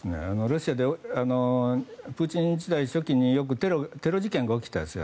ロシアでプーチン時代初期によくテロ事件が起きたんです。